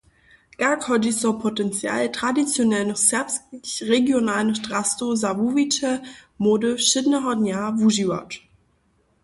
Kak hodźi so potencial tradicionalnych serbskich regionalnych drastow za wuwiće mody wšědneho dnja wužiwać?